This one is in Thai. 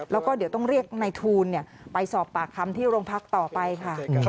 แล้วก็เดี๋ยวต้องเรียกในทูลไปสอบปากคำที่โรงพักต่อไปค่ะ